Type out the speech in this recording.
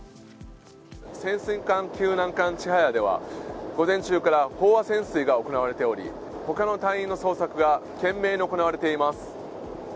潜水艦救難艦「ちはや」では午前中から飽和潜水が行われており、ほかの隊員の捜索が懸命に行われています。